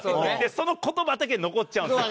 その言葉だけ残っちゃうんですよ。